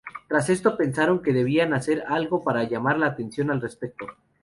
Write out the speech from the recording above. Tras esto pensaron que debían hacer algo para llamar la atención al respecto.